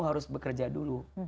harus bekerja dulu